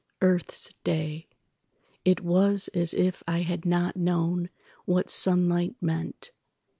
Earth's day! it was as if I had not knownWhat sunlight meant!